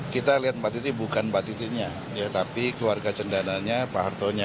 kita lihat mbak titi bukan mbak titinya tapi keluarga cendananya pak hartonya